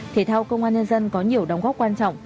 thể thao công an nhân dân có nhiều đóng góp quan trọng